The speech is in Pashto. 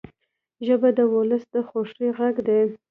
ژبه د ولس د خوښۍ غږ دی